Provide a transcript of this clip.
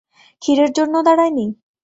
ক্ষীরের জন্যও দারায়নি?